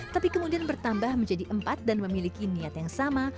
tapi kemudian bertambah menjadi empat dan memiliki niat yang sama